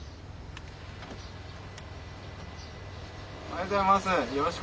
おはようございます。